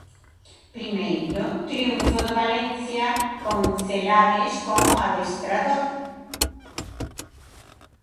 Primeiro triunfo do Valencia con Celades como adestrador.